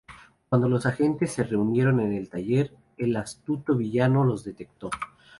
Cuando los agentes se reunieron en el taller, el astuto villano los detectó.